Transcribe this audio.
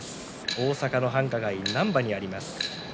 大阪の繁華街、難波にあります。